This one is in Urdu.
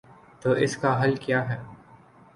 تو اس کا حل کیا ہے؟